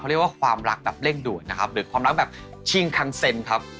เรียกว่าความรักแบบเร่งด่วนนะครับหรือความรักแบบชิงคันเซ็นครับ